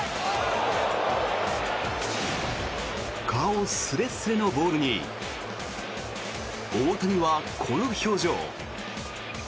顔すれすれのボールに大谷はこの表情。